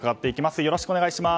よろしくお願いします。